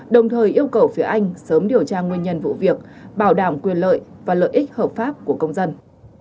đồng thời yêu cầu phía anh sớm điều tra nguyên nhân vụ việc bảo đảm quyền lợi và lợi ích hợp pháp của công dân